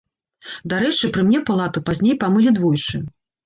Дарэчы, пры мне палату пазней памылі двойчы.